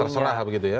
terserah begitu ya